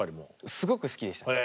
すごく好きでした。